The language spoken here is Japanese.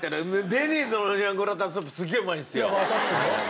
デニーズのオニオングラタンスープすげえうまいんですよ。いやわかってるよ。